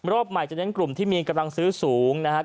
รอบใหม่กลุ่มที่มีกำลังซื้อสูงนะครับ